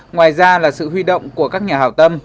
ngoài ra là sự huy động của các nhà hào tâm